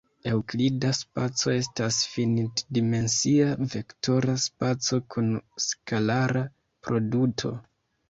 Eŭklida spaco estas finit-dimensia vektora spaco kun skalara produto.